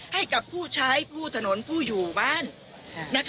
ให้กับผู้ใช้ผู้ถนนผู้อยู่บ้าน